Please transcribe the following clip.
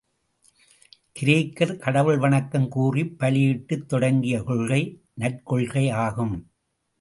கிரேக்கர் கடவுள் வணக்கம் கூறிப் பலியிட்டுத் தொடங்கிய கொள்கை நற்கொள்கை யாகும்.